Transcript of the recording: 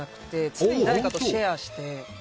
常に誰かとシェアして。